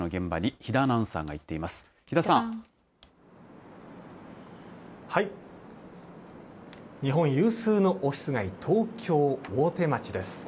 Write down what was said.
日本有数のオフィス街、東京・大手町です。